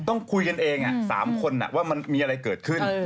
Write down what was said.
ต้องคุยกันเอง๓คนว่ามันมีอะไรเกิดขึ้น